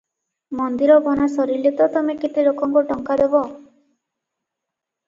ମନ୍ଦିର ବନାସରିଲେ ତ ତମେ କେତେ ଲୋକଙ୍କୁ ଟଙ୍କା ଦବ ।